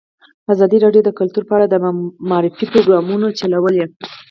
ازادي راډیو د کلتور په اړه د معارفې پروګرامونه چلولي.